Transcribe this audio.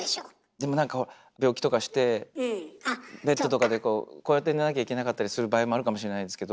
でもなんか病気とかしてベッドとかでこうやって寝なきゃいけなかったりする場合もあるかもしれないですけど。